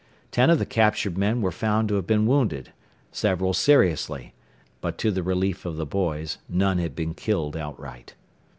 Ten of the captured men were found to have been wounded, several seriously; but to the relief of the boys none had been killed outright.